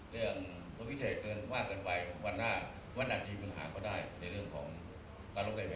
เรื่องคนพิเศษเกินมากเกินไปวันหน้าวันอาจมีปัญหาก็ได้ในเรื่องของการร้องเรียน